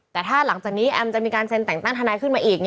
แต่ถ้าหลังจากนี้แอมจะมีการเซ็นแต่งตั้งทนายขึ้นมาอีก